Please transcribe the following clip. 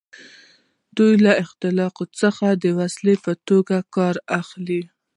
دوی له اخلاقو څخه د وسیلې په توګه کار اخلي.